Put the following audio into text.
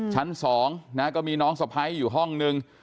ชั้น๒นะก็มีน้องสะพ้ายอยู่ห้องนึง